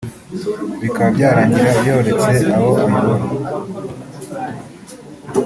bikaba byarangira yoretse abo ayobora